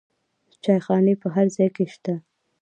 چایخانې په هر ځای کې شته.